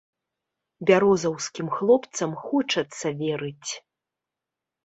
Бярозаўскім хлопцам хочацца верыць.